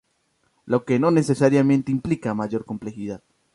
Lo que no necesariamente implica mayor complejidad.